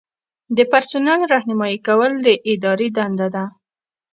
د پرسونل رہنمایي کول د ادارې دنده ده.